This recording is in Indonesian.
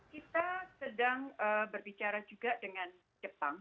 kita sedang berbicara juga dengan jepang